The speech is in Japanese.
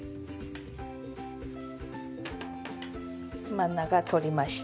真ん中通りました。